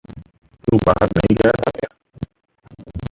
तू बाहर नहीं गया था क्या?